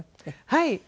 はい。